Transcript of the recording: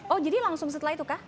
oh jadi langsung setelah itu kah